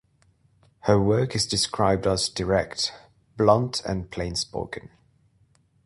Her work is described as direct, blunt and plainspoken.